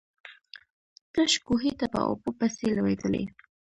تش کوهي ته په اوبو پسي لوېدلی.